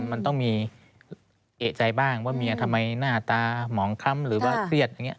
มันต้องมีเอกใจบ้างว่าเมียทำไมหน้าตาหมองค้ำหรือว่าเครียดอย่างนี้